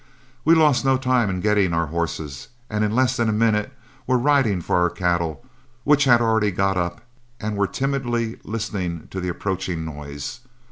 We lost no time getting our horses, and in less than a minute were riding for our cattle, which had already got up and were timidly listening to the approaching noise.